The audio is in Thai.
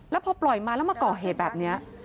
แล้วพอปล่อยมาแล้วมาก่อเหตุแบบนี้